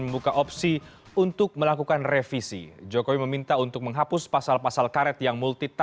bola revisi undang undang ite